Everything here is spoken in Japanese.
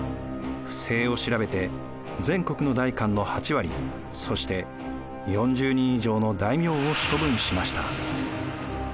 不正を調べて全国の代官の８割そして４０人以上の大名を処分しました。